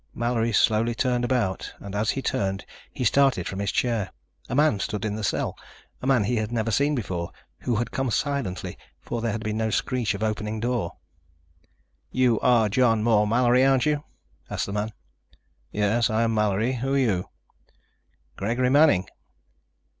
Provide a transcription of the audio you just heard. Mallory slowly turned about and as he turned he started from his chair. A man stood in the cell! A man he had never seen before, who had come silently, for there had been no screech of opening door. "You are John Moore Mallory, aren't you?" asked the man. "Yes, I am Mallory. Who are you?" "Gregory Manning."